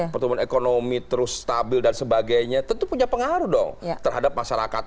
pertumbuhan ekonomi terus stabil dan sebagainya tentu punya pengaruh dong terhadap masyarakat